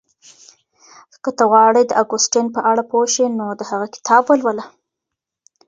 که ته غواړې د اګوستين په اړه پوه شې نو د هغه کتاب ولوله.